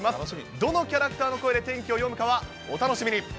どのキャラクターの声で天気を読むかはお楽しみに。